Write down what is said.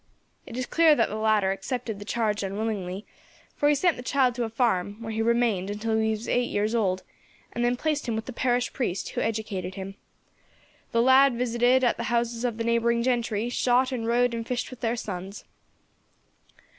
It is clear that the latter accepted the charge unwillingly, for he sent the child to a farm, where he remained until he was eight years old, and then placed him with the parish priest, who educated him. The lad visited at the houses of the neighbouring gentry, shot and rowed and fished with their sons.